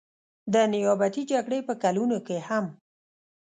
د نیابتي جګړې په کلونو کې هم.